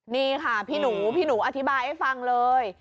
นี่ค่ะพี่หนูพี่หนูอธิบายให้ฟังเลย